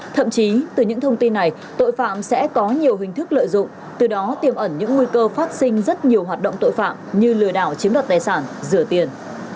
thậm chí từ những thông tin này tội phạm sẽ có nhiều hình thức lợi dụng từ đó tiềm ẩn những nguy cơ phát sinh rất nhiều hoạt động tội phạm như lừa đảo chiếm đoạt tài sản rửa tiền